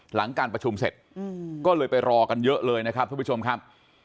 หลังการประชุมเสร็จก็เลยไปรอกันเยอะเลยนะครับทุกผู้ชมครับ